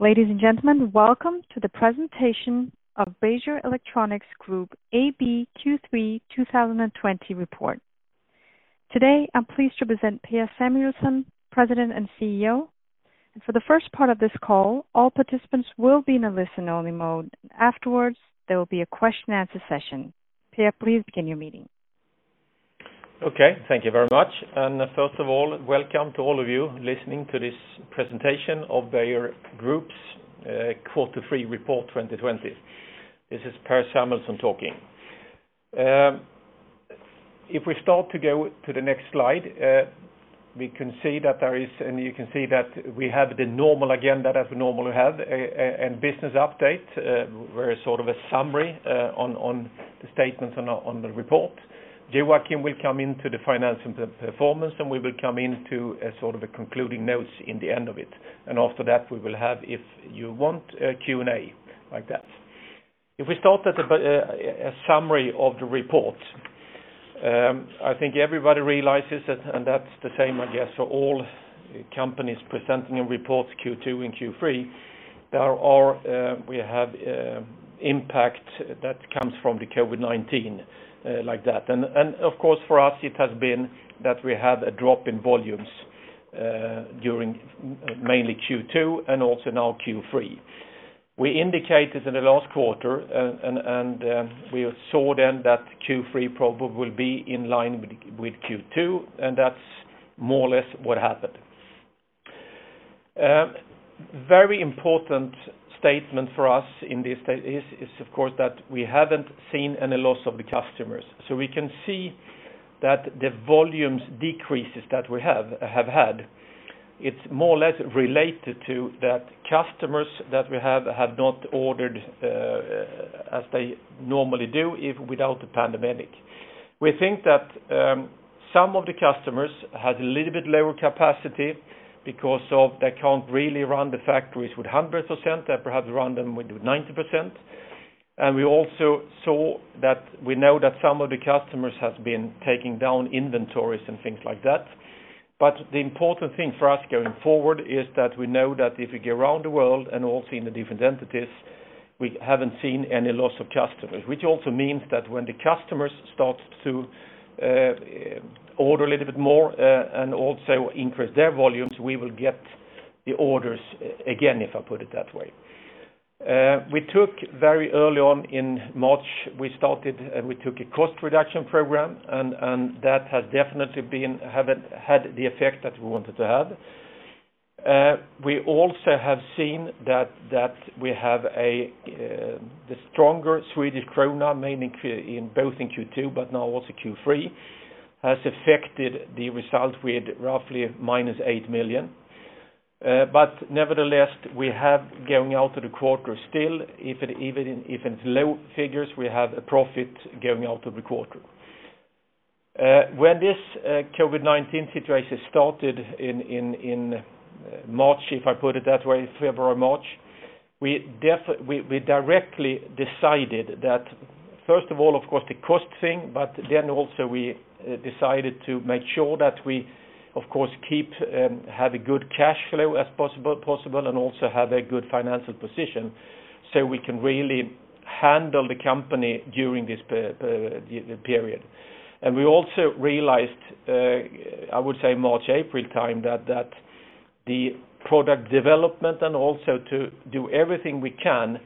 Ladies and gentlemen, welcome to the presentation of Beijer Electronics Group AB Q3 2020 report. Today, I'm pleased to present Per Samuelsson, President and CEO. For the first part of this call, all participants will be in a listen-only mode. Afterwards, there will be a question-and-answer session. Per, please begin your meeting. Thank you very much. First of all, welcome to all of you listening to this presentation of Beijer Group's quarter three report 2020. This is Per Samuelsson talking. We have the normal agenda as we normally have, a business update, and a very short summary on the statements on the report. Joakim will come into the financial performance, and we will come to a concluding note at the end of it. After that, we will have, if you want, a Q&A like that. If we start with a summary of the report. I think everybody realizes it, and that's the same, I guess, for all companies presenting in reports Q2 and Q3; we have an impact that comes from the COVID-19 like that. Of course, for us, it has been that we have a drop in volumes during mainly Q2 and also now Q3. We indicated in the last quarter; we saw then that Q3 probably will be in line with Q2; that's more or less what happened. Very important statement for us in this is, of course, that we haven't seen any loss of the customers. We can see that the volumes decrease that we have had are more or less related to the fact that customers that we have had have not ordered as they normally do, if without the pandemic. We think that some of the customers have a little bit lower capacity because they can't really run the factories at 100%. They perhaps run them with 90%. We also saw that we know that some of the customers have been taking down inventories and things like that. The important thing for us going forward is that we know that if we go around the world and also in the different entities, we haven't seen any loss of customers. Which also means that when the customers start to order a little bit more and also increase their volumes, we will get the orders again, if I put it that way. We took very early on in March a cost reduction program, and that has definitely had the effect that we wanted to have. We have also seen that we have the stronger Swedish krona, mainly in Q2 but now also Q3, has affected the result with roughly minus 8 million. Nevertheless, we have going out to the quarter still; even if it's low figures, we have a profit going out of the quarter. When this COVID-19 situation started in March, if I put it that way, February, March, we directly decided that, first of all, of course, the cost thing, but then also we decided to make sure that we, of course, have as good a cash flow as possible and also have a good financial position so we can really handle the company during this period. We also realized, I would say, in March or April, that product development and also doing everything we could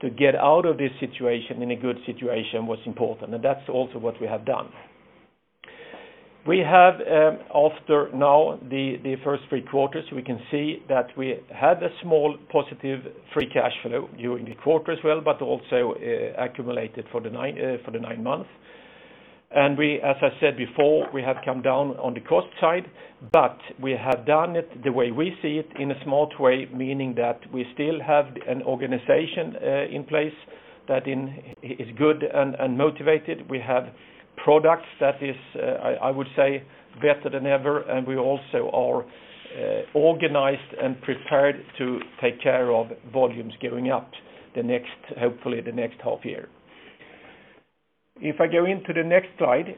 to get out of this situation in a good way was important. That's also what we have done. We have, after now, the first three quarters; we can see that we had a small positive free cash flow during the quarter as well, but also accumulated for the nine months. As I said before, we have come down on the cost side, but we have done it the way we see it in a smart way, meaning that we still have an organization in place that is good and motivated. We have products that are, I would say, better than ever, and we also are organized and prepared to take care of volumes going up, hopefully the next half year. If I go into the next slide,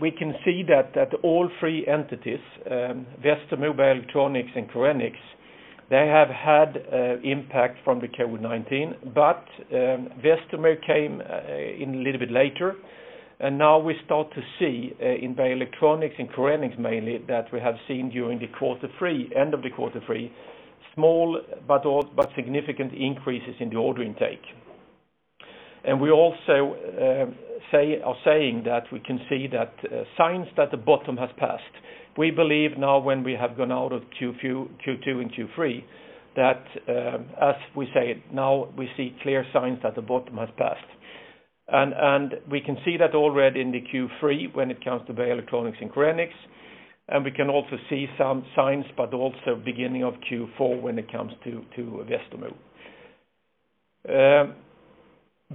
we can see that all three entities, Westermo, Beijer Electronics, and Korenix, have had an impact from COVID-19, but Westermo came in a little bit later. Now we start to see in Beijer Electronics and Korenix mainly that we have seen during the end of the quarter three small but significant increases in the order intake. We also are saying that we can see the signs that the bottom has passed. We believe now, when we have gone out of Q2 and Q3, that as we say it now, we see clear signs that the bottom has passed. We can see that already in Q3 when it comes to Beijer Electronics and Korenix, and we can also see some signs, but also the beginning of Q4 when it comes to Westermo.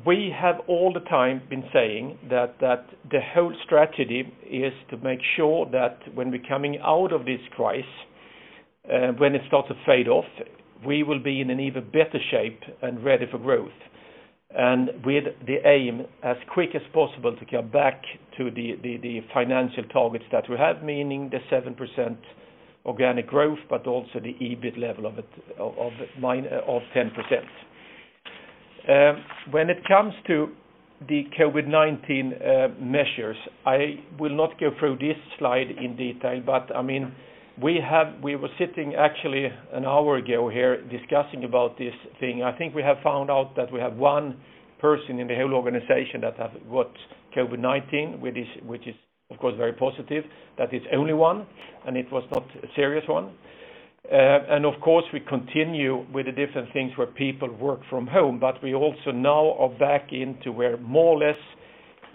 We have all the time been saying that the whole strategy is to make sure that when we are coming out of this crisis, when it starts to fade off, we will be in even better shape and ready for growth. With the aim as quickly as possible to come back to the financial targets that we have, meaning the 7% organic growth, but also the EBIT level of 10%. When it comes to the COVID-19 measures, I will not go through this slide in detail; we were actually sitting here an hour ago discussing this thing. I think we have found out that we have one person in the whole organization that has gotten COVID-19, which is, of course, very positive that it's only one; it was not a serious one. Of course, we continue with the different things where people work from home, we also now are back into where more or less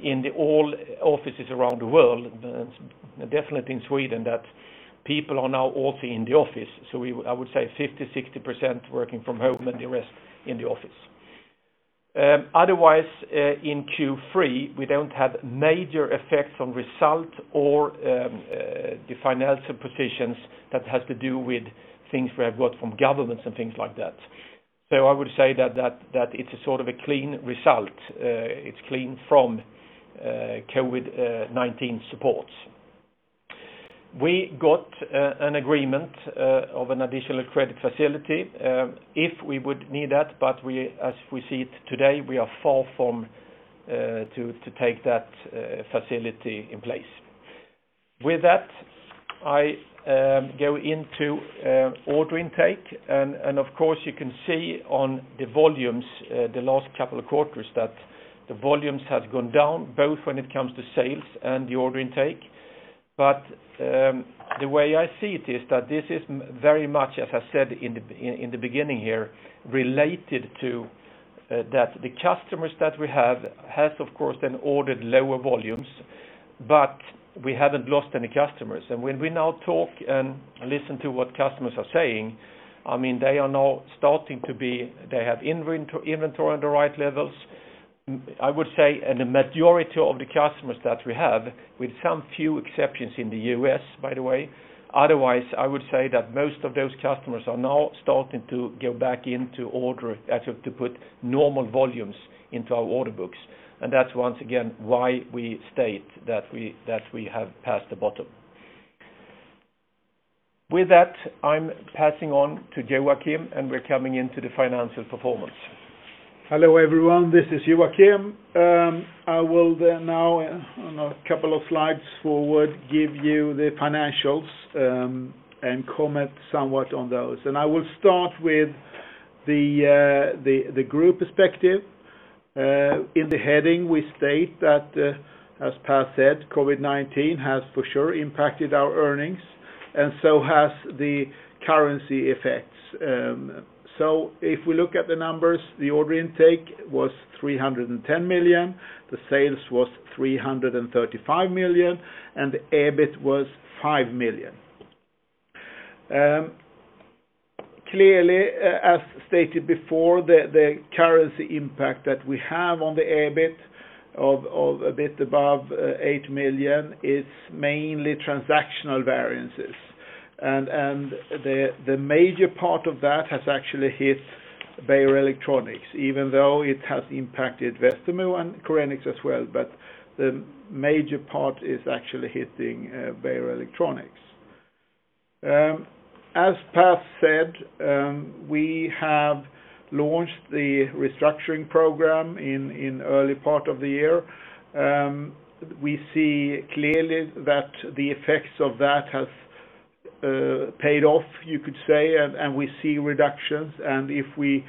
in the all offices around the world, definitely in Sweden, that people are now all in the office. I would say 50% or 60% working from home and the rest in the office. Otherwise, in Q3, we don't have major effects on results or the financial positions that have to do with things we have got from governments and things like that. I would say that it's a sort of clean result. It's clean from COVID-19 supports. We got an agreement for an additional credit facility, if we would need that, but as we see it today, we are far from taking that facility in place. With that, I go into order intake, and of course, you can see in the volumes from the last couple of quarters that the volumes have gone down, both when it comes to sales and the order intake. The way I see it is that this is very much, as I said in the beginning here, related to the fact that the customers that we have have, of course, then ordered lower volumes, but we haven't lost any customers. When we now talk and listen to what customers are saying, They have inventory at the right levels. I would say in a majority of the customers that we have, with a few exceptions in the U.S., by the way; otherwise, I would say that most of those customers are now starting to go back into order, actually to put normal volumes into our order books. That's once again why we state that we have passed the bottom. With that, I'm passing on to Joakim, and we're coming into the financial performance. Hello, everyone. This is Joakim. I will now, on a couple of slides forward, give you the financials, and comment somewhat on those. I will start with the group perspective. In the heading, we state that, as Per said, COVID-19 has for sure impacted our earnings, and so have the currency effects. If we look at the numbers, the order intake was 310 million, the sales were 335 million, and the EBIT was 5 million. Clearly, as stated before, the currency impact that we have on the EBIT of a bit above eight million is mainly transactional variances, and the major part of that has actually hit Beijer Electronics, even though it has impacted Westermo and Korenix as well, but the major part is actually hitting Beijer Electronics. As Per said, we have launched the restructuring program in the early part of the year. We see clearly that the effects of that have paid off, you could say. We see reductions. If we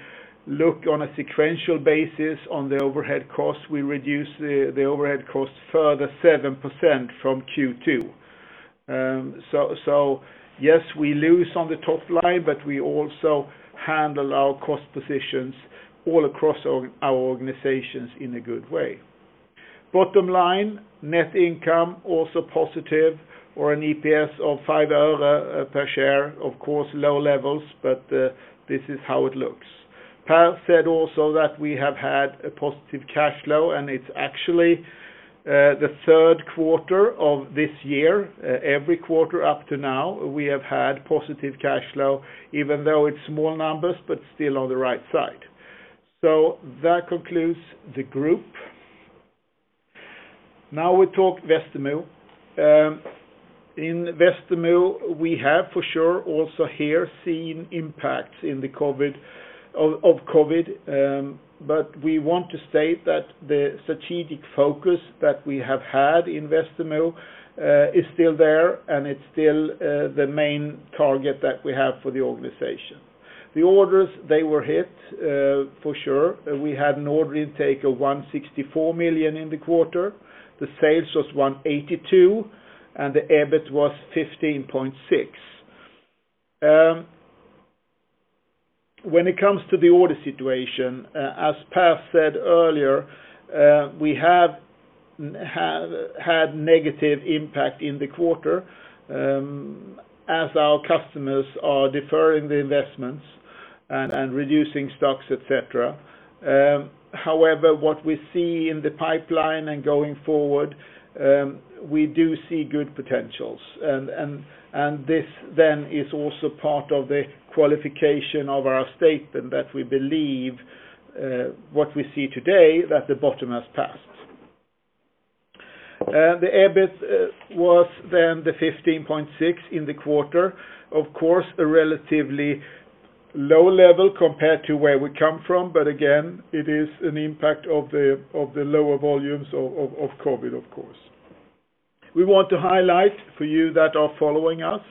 look on a sequential basis at the overhead cost, we reduce the overhead cost further by 7% from Q2. Yes, we lose on the top line. We also handle our cost positions all across our organizations in a good way. Bottom line, net income is also positive, or an EPS of five öre per share. Of course, low levels. This is how it looks. Per said also that we have had a positive cash flow. It's actually the third quarter of this year. Every quarter up to now, we have had positive cash flow, even though it's small numbers. Still on the right side. That concludes the group. Now we talk Westermo. In Westermo, we have for sure also here seen impacts of COVID-19, but we want to state that the strategic focus that we have had in Westermo is still there, and it's still the main target that we have for the organization. The orders, they were hit for sure. We had an order intake of 164 million in the quarter. The sales were 182 million, and the EBIT was 15.6 million. When it comes to the order situation, as Per said earlier, we have had a negative impact in the quarter, as our customers are deferring the investments and reducing stocks, et cetera. However, what we see in the pipeline and going forward, we do see good potential, and this then is also part of the qualification of our statement that we believe, what we see today, is that the bottom has passed. The EBIT was then 15.6 million in the quarter. Of course, a relatively low level compared to where we come from. Again, it is an impact of the lower volumes of COVID-19, of course. We want to highlight for you who are following us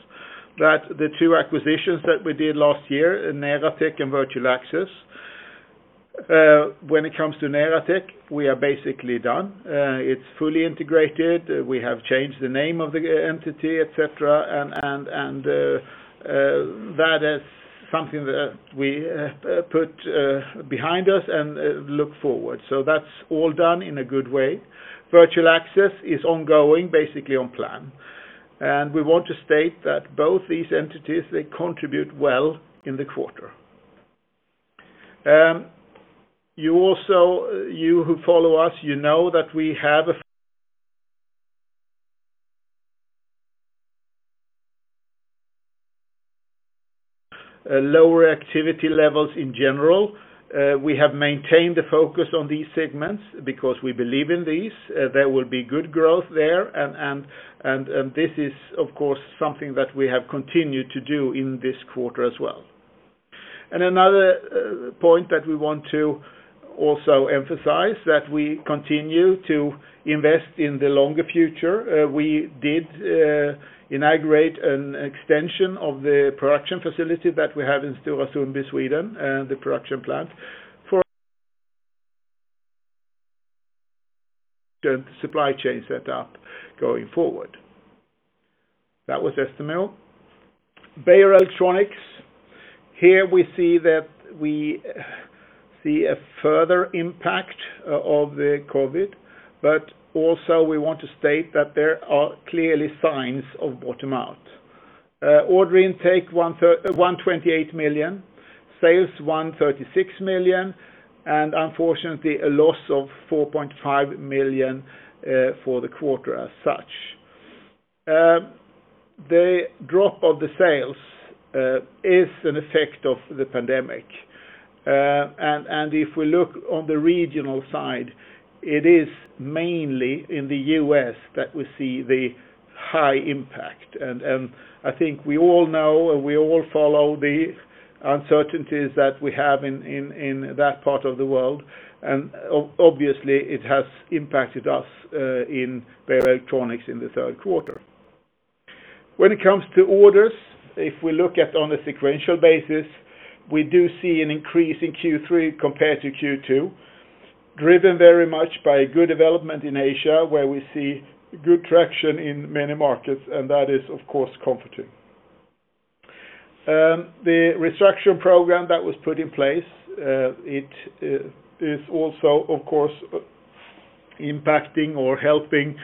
that the two acquisitions that we did last year were Neratec and Virtual Access. When it comes to Neratec, we are basically done. It's fully integrated. We have changed the name of the entity, et cetera, and that is something that we put behind us and look forward. That's all done in a good way. Virtual Access is ongoing, basically on plan. We want to state that both these entities contribute well in the quarter. You who follow us, you know that we have lower activity levels in general. We have maintained the focus on these segments because we believe in these. There will be good growth there; this is, of course, something that we have continued to do in this quarter as well. Another point that we want to also emphasize is that we continue to invest in the longer future. We did inaugurate an extension of the production facility that we have in Stora Sundby, Sweden, the production plant, and the supply chain set up going forward. That was Westermo. Beijer Electronics. Here we see that we see a further impact of the COVID-19, but also we want to state that there are clearly signs of bottoming out. Order intake was 128 million, sales were 136 million, and unfortunately, there was a loss of 4.5 million for the quarter as such. The drop of the sales is an effect of the pandemic. If we look on the regional side, it is mainly in the U.S. that we see the high impact. I think we all know, and we all follow the uncertainties that we have in that part of the world. obviously, it has impacted us in Beijer Electronics in the third quarter. When it comes to orders, if we look at them on a sequential basis, we do see an increase in Q3 compared to Q2, driven very much by a good development in Asia, where we see good traction in many markets, and that is, of course, comforting. The restructuring program that was put in place is also, of course, impacting or helping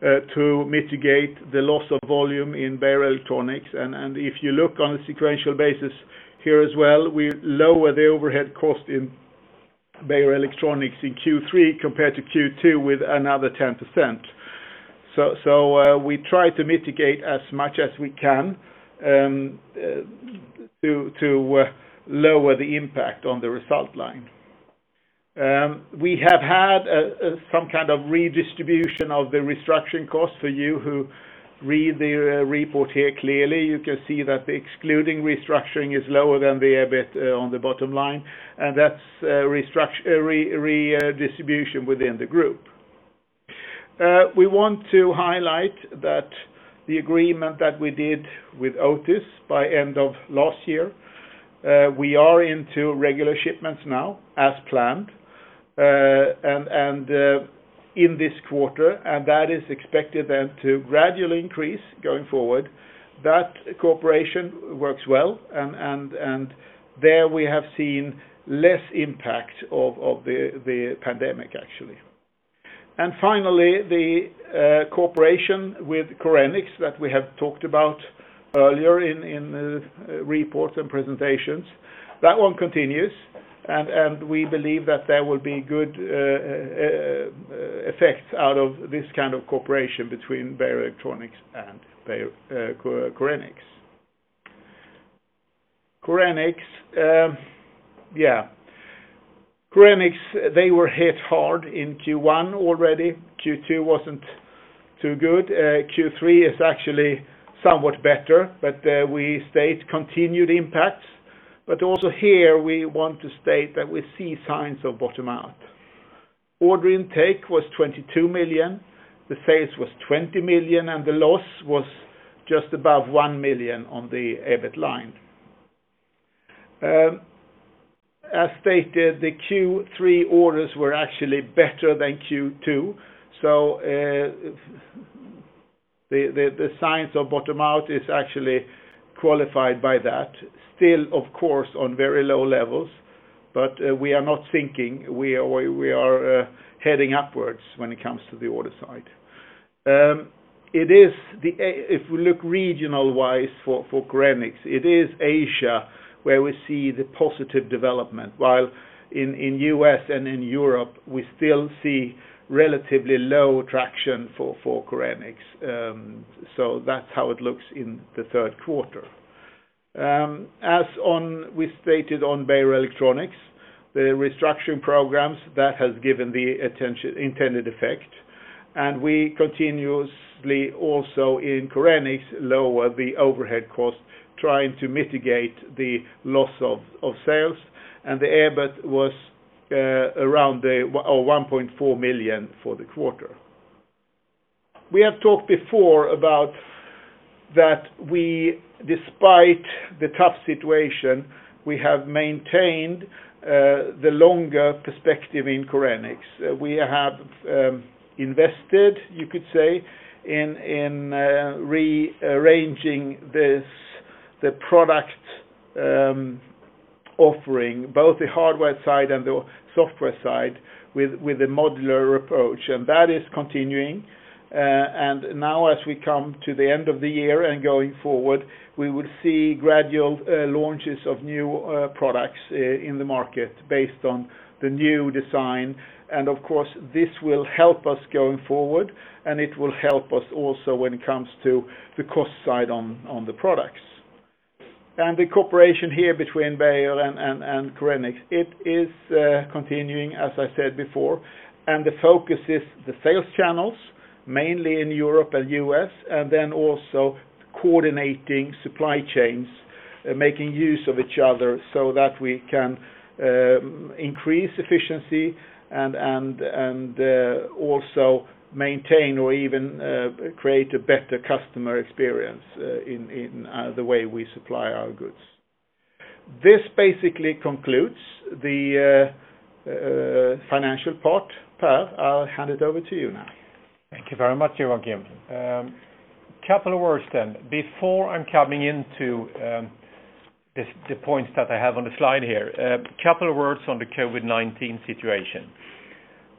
to mitigate the loss of volume in Beijer Electronics. if you look on a sequential basis here as well, we lower the overhead cost in Beijer Electronics in Q3 compared to Q2 with another 10%. we try to mitigate as much as we can to lower the impact on the result line. We have had some kind of redistribution of the restructuring cost for you who read the report here clearly. You can see that the excluding restructuring is lower than the EBIT on the bottom line. That's a redistribution within the group. We want to highlight that the agreement that we did with Otis by the end of last year—we are into regular shipments now as planned. In this quarter, that is expected then to gradually increase going forward. That cooperation works well. There we have seen less impact of the pandemic, actually. Finally, the cooperation with Korenix that we have talked about earlier in reports and presentations, that one continues. We believe that there will be good effects out of this kind of cooperation between Beijer Electronics and Korenix. Korenix, they were hit hard in Q1 already. Q2 wasn't too good. Q3 is actually somewhat better. We state continued impacts. Also here, we want to state that we see signs of bottoming out. Order intake was 22 million, sales was 20 million, and the loss was just above 1 million on the EBIT line. As stated, the Q3 orders were actually better than Q2, so the signs of bottoming out are actually qualified by that. Still, of course, on very low levels. We are not sinking. We are heading upwards when it comes to the order side. If we look regionally for Korenix, it is Asia where we see the positive development. While in the U.S. and in Europe, we still see relatively low traction for Korenix. That's how it looks in the third quarter. As we stated on Beijer Electronics, the restructuring programs have given the intended effect. We continuously also, in Korenix, lower the overhead cost, trying to mitigate the loss of sales; the EBIT was around 1.4 million for the quarter. We have talked before about that despite the tough situation, we have maintained the longer perspective in Korenix. We have invested, you could say, in rearranging the product offering, both the hardware side and the software side with a modular approach. That is continuing. Now as we come to the end of the year and going forward, we will see gradual launches of new products in the market based on the new design. Of course, this will help us going forward, and it will help us also when it comes to the cost side on the products. The cooperation here between Beijer and Korenix is continuing, as I said before. The focus is the sales channels, mainly in Europe and the U.S., and then also coordinating supply chains, making use of each other so that we can increase efficiency and also maintain or even create a better customer experience in the way we supply our goods. This basically concludes the financial part. Per, I'll hand it over to you now. Thank you very much, Joakim. Couple of words. Before I come into the points that I have on the slide here, a couple of words on the COVID-19 situation.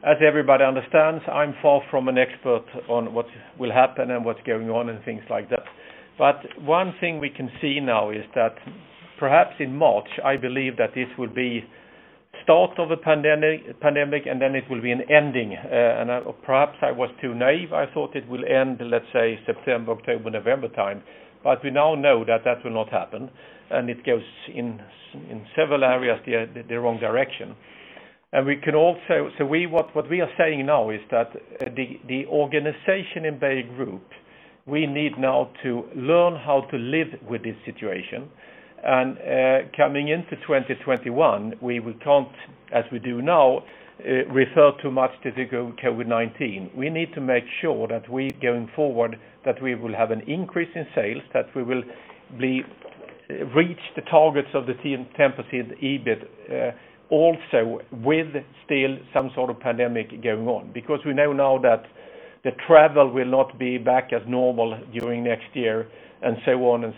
As everybody understands, I'm far from an expert on what will happen and what's going on and things like that. One thing we can see now is that perhaps in March, I believe that this will be the start of a pandemic, and then it will be an ending. Perhaps I was too naive; I thought it would end, let's say, around September, October, or November. We now know that will not happen, and it goes in several areas the wrong direction. What we are saying now is that the organization in Beijer Group, we need now to learn how to live with this situation. Coming into 2021, we can't, as we do now, refer too much to COVID-19. We need to make sure that going forward we will have an increase in sales, that we will reach the targets of the 10% EBIT, and also that we will still have some sort of pandemic going on. Because we know now that travel will not be back to normal during next year, and so on.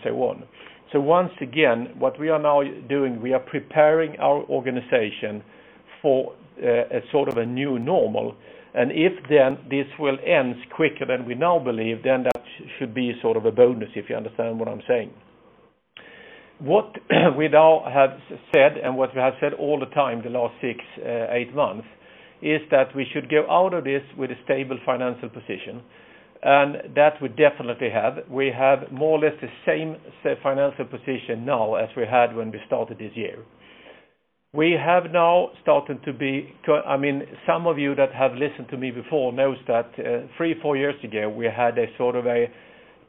Once again, what we are now doing is preparing our organization for a sort of new normal. If this then ends quicker than we now believe, then that should be a sort of a bonus, if you understand what I'm saying. What we now have said and what we have said all the time the last six-eight months is that we should go out of this with a stable financial position. That we definitely have. We have more or less the same financial position now as we had when we started this year. Some of you that have listened to me before know that three or four years ago, we had a sort of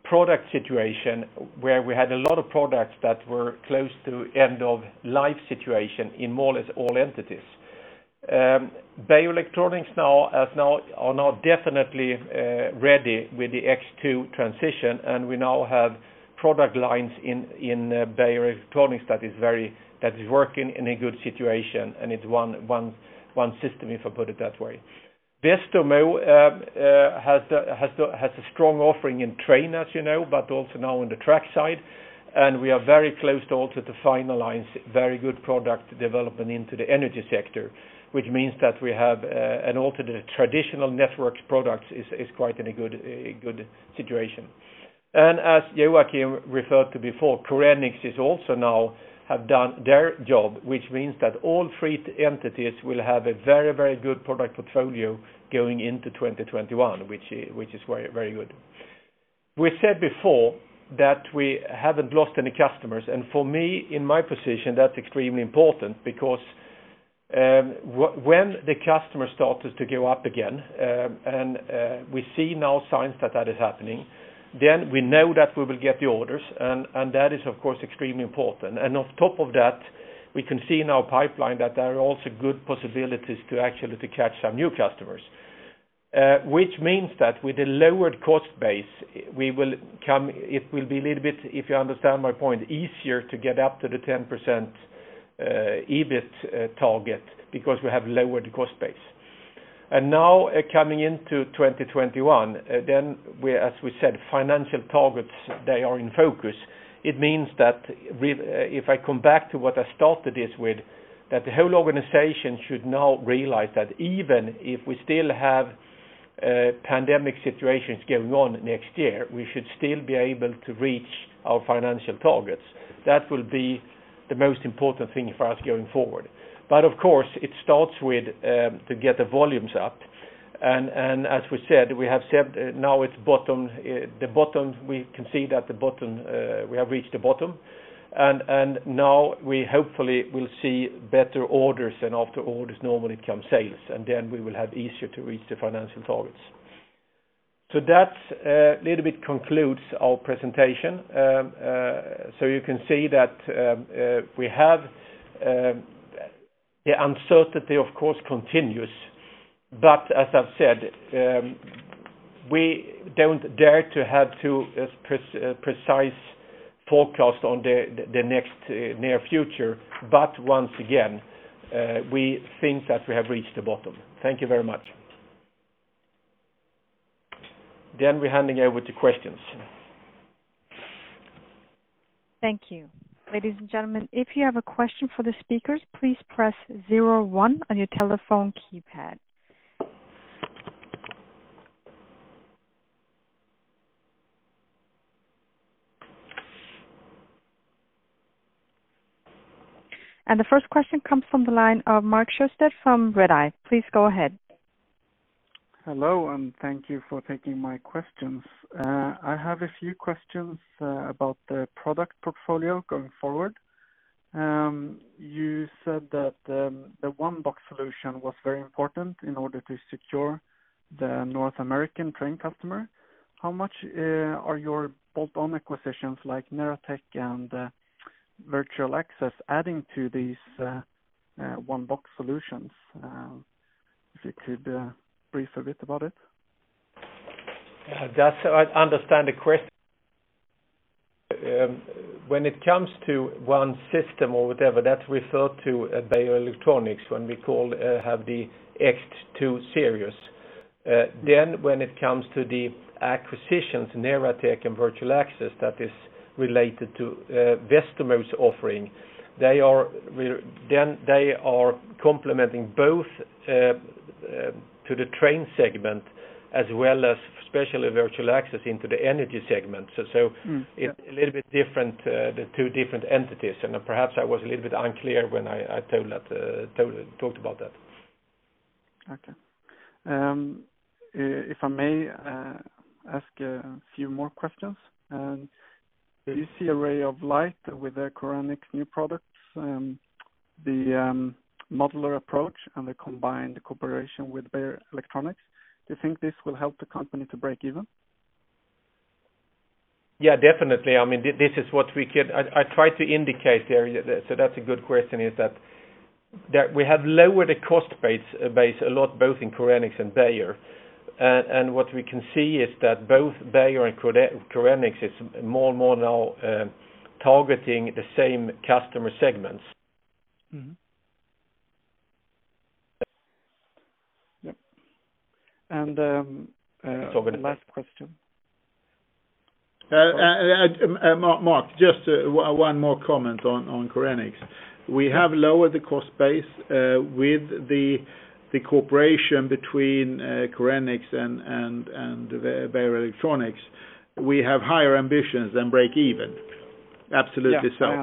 product situation where we had a lot of products that were close to an end-of-life situation in more or less all entities. Beijer Electronics is now definitely ready with the X2 transition, and we now have product lines in Beijer Electronics that are working in a good situation, and it's one system, if I put it that way. Westermo has a strong offering in trains, as you know, but also now on the track side, and we are very close to also finalizing very good product development into the energy sector, which means that we have an alternative traditional networks product that is quite in a good situation. As Joakim referred to before, Korenix has also now done their job, which means that all three entities will have a very good product portfolio going into 2021, which is very good. We said before that we haven't lost any customers, and for me in my position, that's extremely important because when the customer started to go up again, and we see now signs that that is happening, then we know that we will get the orders, and that is, of course, extremely important. On top of that, we can see in our pipeline that there are also good possibilities to actually catch some new customers. Which means that with a lowered cost base, it will be a little bit, if you understand my point, easier to get up to the 10% EBIT target because we have lowered the cost base. Now coming into 2021, as we said, financial targets are in focus. It means that if I come back to what I started this with, the whole organization should now realize that even if we still have pandemic situations going on next year, we should still be able to reach our financial targets. That will be the most important thing for us going forward. Of course, it starts with getting the volumes up. As we said, we have seen that we have reached the bottom. Now we hopefully will see better orders, and after orders normally come sales; then we will have an easier time reaching the financial targets. That a little bit concludes our presentation. You can see that the uncertainty, of course, continues. As I've said, we don't dare to have too precise a forecast on the near future. Once again, we think that we have reached the bottom. Thank you very much. We're handing over to questions. Thank you. Ladies and gentlemen, if you have a question for the speakers, please press zero and one on your telephone keypad. The first question comes from the line of Mark Siöstedt from Redeye. Please go ahead. Hello, and thank you for taking my questions. I have a few questions about the product portfolio going forward. You said that the one-box solution was very important in order to secure the North American train customer. How much are your bolt-on acquisitions like Neratec and Virtual Access adding to these one-box solutions? If you could brief a bit about it. I understand the question. When it comes to one system or whatever, that's referred to as Beijer Electronics when we have the X2 series. When it comes to the acquisitions, Neratec and Virtual Access, that is related to Westermo's offering. They are complementing both the train segment as well as, especially, Virtual Access, into the energy segment. A little bit different, the two different entities. Perhaps I was a little bit unclear when I talked about that. Okay. If I may ask a few more questions. Yes. Do you see a ray of light with the Korenix new products, the modular approach, and the combined cooperation with Beijer Electronics? Do you think this will help the company to break even? Yeah, definitely. I tried to indicate there, so that's a good question, is that we have lowered the cost base a lot, both in Korenix and Beijer. What we can see is that both Beijer and Korenix are now targeting the same customer segments. Yep. Last question. Mark, just one more comment on Korenix. We have lowered the cost base with the cooperation between Korenix and Beijer Electronics. We have higher ambitions than break-even. Absolutely so. Yeah. I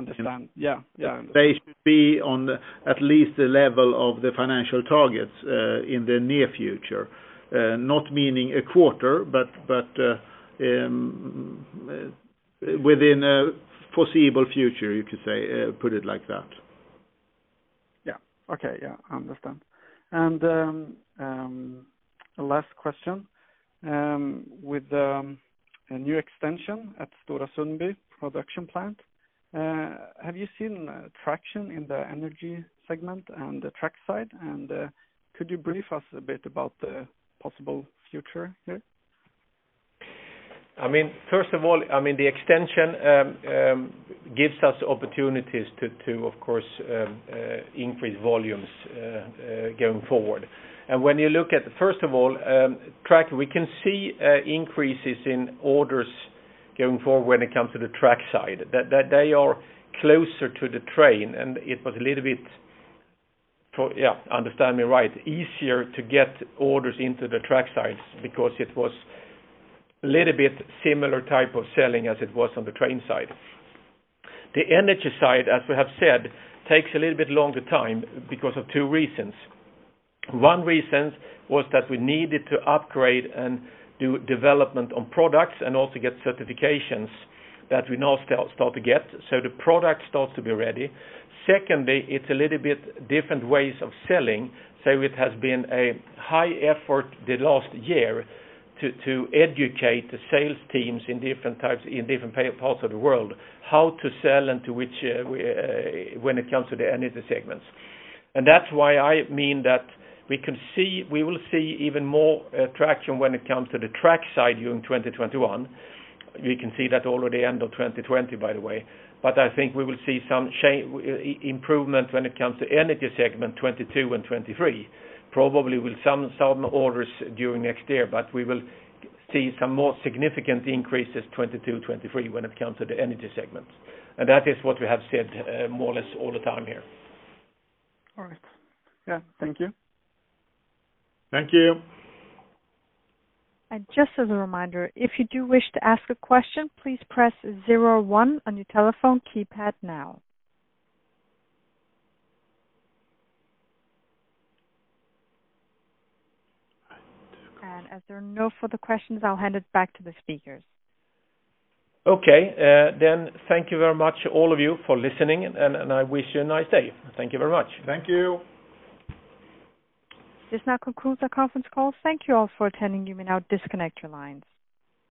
understand. They should be on at least the level of the financial targets in the near future. Not meaning a quarter, but within the foreseeable future, you could put it like that. Yeah. Okay. Yeah, I understand. Last question. With the new extension at the Stora Sundby production plant, have you seen traction in the energy segment and the trackside? Could you brief us a bit about the possible future here? The extension gives us opportunities to, of course, increase volumes going forward. When you look at, first of all, the track, we can see increases in orders going forward when it comes to the track side, that they are closer to the train, and it was a little bit, understand me right, easier to get orders into the track sides because it was a little bit similar type of selling as it was on the train side. The energy side, as we have said, takes a little bit longer time because of two reasons. One reason was that we needed to upgrade and do development on products and also get certifications that we now start to get. The product starts to be ready. Secondly, it's a little bit different ways of selling. It has been a high effort the last year to educate the sales teams in different parts of the world on how to sell when it comes to the energy segments. That's why I mean that we will see even more traction when it comes to the trackside during 2021. We can see that already at the end of 2020, by the way. I think we will see some improvement when it comes to the energy segment in 2022 and 2023. Probably with some orders during the next year, but we will see some more significant increases 2022 and 2023 when it comes to the energy segment. That is what we have said more or less all the time here. All right. Yeah. Thank you. Thank you. Just as a reminder, if you do wish to ask a question, please press zero one on your telephone keypad now. As there are no further questions, I'll hand it back to the speakers. Okay, thank you very much, all of you, for listening, and I wish you a nice day. Thank you very much. Thank you. This now concludes our conference call. Thank you all for attending. You may now disconnect your lines.